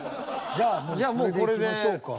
じゃあもうこれでいきましょうか。